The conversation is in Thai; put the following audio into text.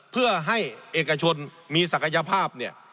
เพื่อให้เอกชนมีศักยภาพเนี่ย